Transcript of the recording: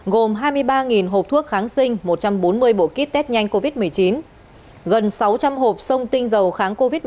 gồm hai mươi ba hộp thuốc kháng sinh một trăm bốn mươi bộ kit test nhanh covid một mươi chín gần sáu trăm linh hộp sông tinh dầu kháng covid một mươi chín